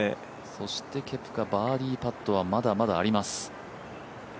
そしてケプカバーディーパットはまだまだあります。